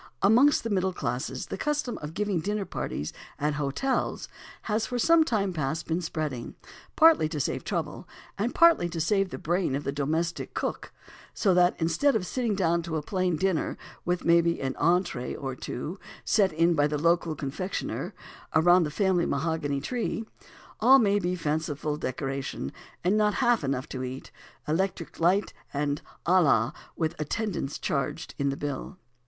Amongst the middle classes the custom of giving dinner parties at hotels has for some time past been spreading, partly to save trouble, and partly to save the brain of the domestic cook; so that instead of sitting down to a plain dinner, with, maybe, an entrée or two sent in by the local confectioner around the family mahogany tree, all may be fanciful decoration, and not half enough to eat, electric light, and à la with attendance charged in the bill.